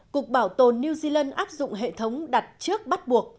cục bảo tồn new zealand áp dụng hệ thống đặt trước bắt buộc